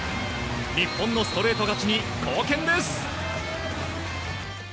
日本のストレート勝ちに貢献です。